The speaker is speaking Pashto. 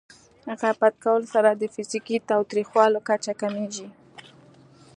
غیبت کولو سره د فزیکي تاوتریخوالي کچه کمېږي.